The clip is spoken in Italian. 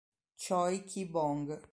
Choi Ki-bong